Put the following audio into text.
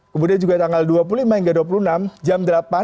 kemudian juga tanggal dua puluh lima hingga dua puluh enam jam delapan